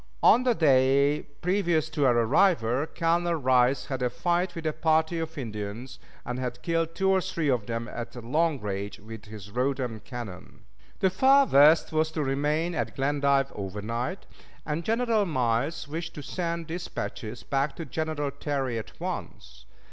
On the day previous to our arrival Colonel Rice had a fight with a party of Indians, and had killed two or three of them at long range with his Rodman cannon. The Far West was to remain at Glendive overnight, and General Miles wished to send dispatches back to General Terry at once.